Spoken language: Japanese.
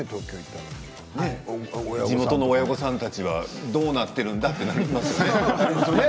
地元の親御さんたちはどうなってるんだとなりますよね